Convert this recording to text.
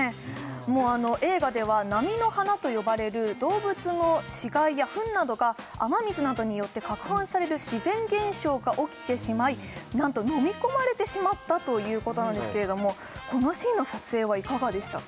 もう映画では波の花と呼ばれる動物の死骸やふんなどが雨水などによってかくはんされる自然現象が起きてしまいなんと飲み込まれてしまったということなんですけれどもこのシーンの撮影はいかがでしたか？